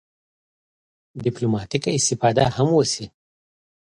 ډیپلوماټیکه استفاده هم وشي.